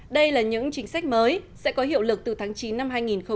đây là những chính sách mới sẽ có hiệu lực từ tháng chín năm hai nghìn một mươi bảy